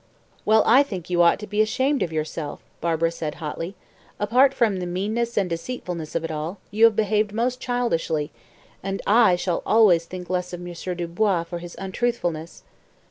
"Well, I think you ought to be ashamed of yourself," Barbara said hotly. "Apart from the meanness and deceitfulness of it all, you have behaved most childishly, and I shall always think less of Monsieur Dubois for his untruthfulness."